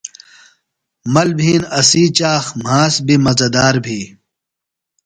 مل بِھین اسی چاخ، مھاس بیۡ مزہ دار بھی